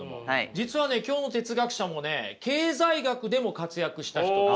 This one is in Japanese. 実はね今日の哲学者もね経済学でも活躍した人です。